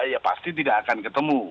ya pasti tidak akan ketemu